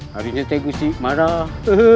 harinya teh gusi marah